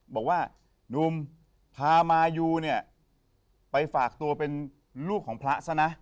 บอกว่านุ่มพามายูเนี่ยไปฝากตัวเป็นลูกของพระซะนะ